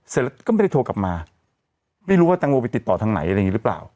เสร็จแล้วก็ไม่ได้โทรกลับมาไม่รู้ว่าแตงโมไปติดต่อทางไหนอะไรอย่างนี้หรือเปล่า